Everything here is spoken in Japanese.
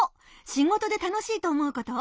「仕事で楽しいと思うこと」？